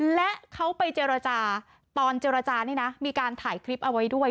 และเขาไปเจรจาตอนเจรจานี่นะมีการถ่ายคลิปเอาไว้ด้วย